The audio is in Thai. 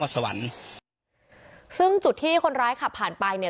สวรรค์ซึ่งจุดที่คนร้ายขับผ่านไปเนี่ย